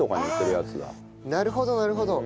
ああなるほどなるほど。